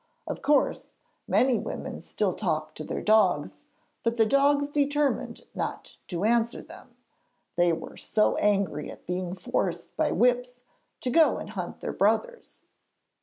Of course, many women still talk to their dogs, but the dogs determined not to answer them; they were so angry at being forced by whips to go and hunt their brothers.